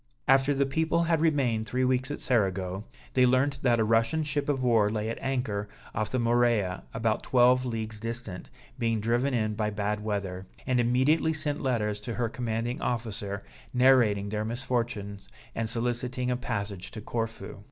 After the people had remained three weeks at Cerigo, they learnt that a Russian ship of war lay at anchor off the Morea about twelve leagues distant, being driven in by bad weather, and immediately sent letters to her commanding officer, narrating their misfortunes and soliciting a passage to Corfu.